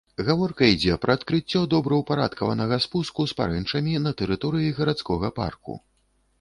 Гаворка ідзе пра адкрыццё добраўпарадкаванага спуску з парэнчамі на тэрыторыі гарадскога парку.